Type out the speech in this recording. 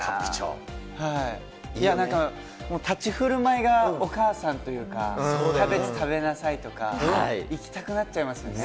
いやー、なんか、立ち振る舞いがお母さんというか、キャベツ食べなさいとか、行きたくなっちゃいますよね。